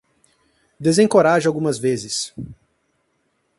Desencoraje algumas vezes.